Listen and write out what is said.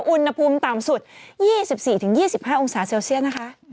อุณหภูมิต่ำสุด๒๔๒๕องศาเซลเซียสนะคะ